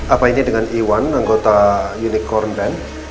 apa ini dengan iwan anggota unicorn band